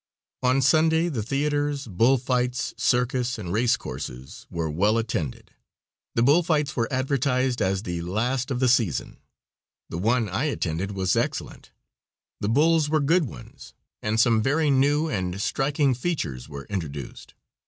On Sunday the theaters, bull fights, circus and race courses were well attended. The bull fights were advertised as the last of the season. The one I attended was excellent. The bulls were good ones, and some very new and striking features were introduced.